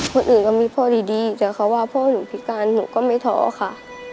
คนอื่นก็มีพ่อดีแต่เขาว่าพ่อหนูพิการหนูก็ไม่ท้อค่ะ